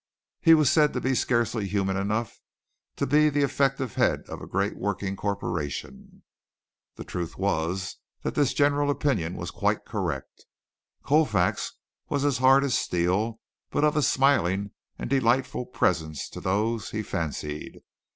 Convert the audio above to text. He was said to be scarcely human enough to be the effective head of a great working corporation. The truth was that this general opinion was quite correct. Colfax was as hard as steel but of a smiling and delightful presence to those he fancied.